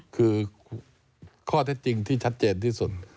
คือข้อเท็จจริงที่ชัดเจนที่สุด